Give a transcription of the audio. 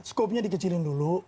skopnya dikecilin dulu